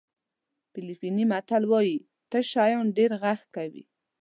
فلیپیني متل وایي تش شیان ډېر غږ کوي.